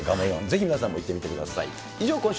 がもよん、ぜひ皆さんも行ってみてください。